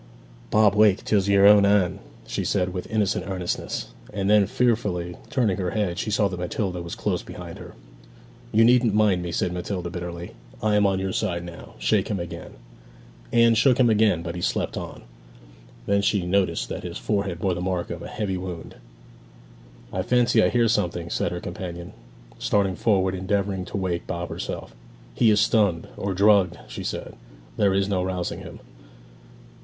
'Bob, wake; 'tis your own Anne!' she said, with innocent earnestness; and then, fearfully turning her head, she saw that Matilda was close behind her. 'You needn't mind me,' said Matilda bitterly. 'I am on your side now. Shake him again.' Anne shook him again, but he slept on. Then she noticed that his forehead bore the mark of a heavy wound. 'I fancy I hear something!' said her companion, starting forward and endeavouring to wake Bob herself. 'He is stunned, or drugged!' she said; 'there is no rousing him.'